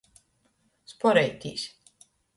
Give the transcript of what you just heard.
Spuoreitīs.